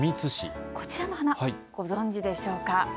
こちらの花、ご存じでしょうか。